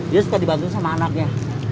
dia suka dibantu sama anaknya